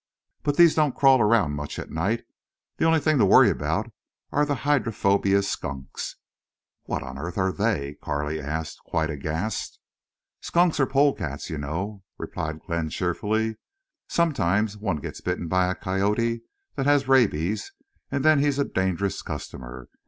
But these don't crawl around much at night. The only thing to worry about are the hydrophobia skunks." "What on earth are they?" asked Carley, quite aghast. "Skunks are polecats, you know," replied Glenn, cheerfully. "Sometimes one gets bitten by a coyote that has rabies, and then he's a dangerous customer.